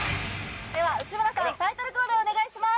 では内村さんタイトルコールをお願いします